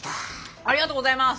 ありがとうございます。